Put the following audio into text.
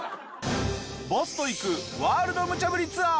ボスと行くワールド無茶ぶりツアー！